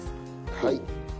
はい。